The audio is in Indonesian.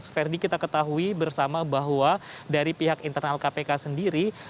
verdi kita ketahui bersama bahwa dari pihak internal kpk sendiri